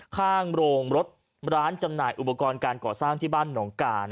ข้างโรงรถร้านจำหน่ายอุปกรณ์การก่อสร้างที่บ้านหนองกา